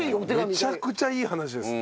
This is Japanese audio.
めちゃくちゃいい話です。